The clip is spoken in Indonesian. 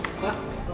pak pak pak